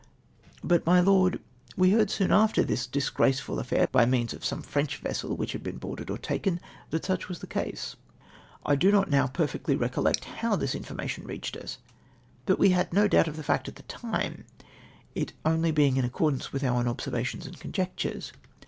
''" But. my Lord, we heard soon after this disgraceful affair, bv means of some French vessel which had been boarded or taken, that such was the case. I do not now perfectly recol lect Jicnv this information reached us, but we had no doubt of the fact at the time, it being only in accordance with our own observations and conjectures.